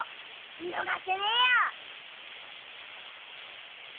見逃せねえや！